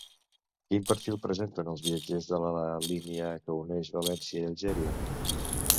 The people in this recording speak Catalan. Quin perfil presenten els viatgers de la línia que uneix València i Algèria?